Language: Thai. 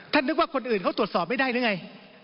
นึกว่าคนอื่นเขาตรวจสอบไม่ได้หรือไง